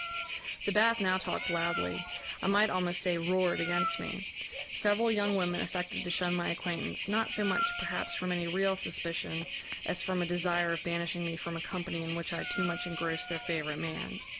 "The Bath now talked loudly I might almost say, roared against me. Several young women affected to shun my acquaintance, not so much, perhaps, from any real suspicion, as from a desire of banishing me from a company in which I too much engrossed their favourite man.